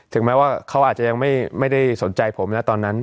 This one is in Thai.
แม้ว่าเขาอาจจะยังไม่ได้สนใจผมนะตอนนั้น